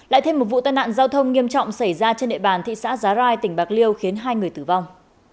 lại thêm một vụ tai nạn giao thông nghiêm trọng xảy ra trên địa bàn thị xã giá rai tỉnh bạc liêu khiến hai người tử vong